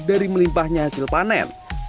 dari melimpahnya hasil panen